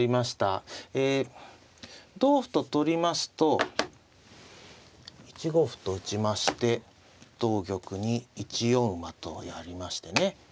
え同歩と取りますと１五歩と打ちまして同玉に１四馬とやりましてね